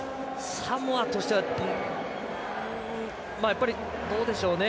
サモアとしてはやっぱり、どうでしょう。